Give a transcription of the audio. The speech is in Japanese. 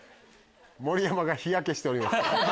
盛山が日焼けしております。